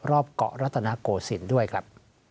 รอบเกาะรัตนโกศิลป์ด้วยครับ